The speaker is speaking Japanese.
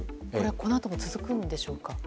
このあとも続くんでしょうか。